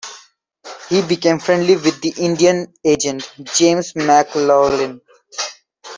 He became friendly with the Indian Agent, James McLaughlin.